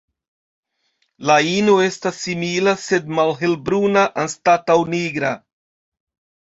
La ino estas simila, sed malhelbruna anstataŭ nigra.